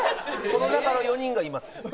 この中の４人がいます。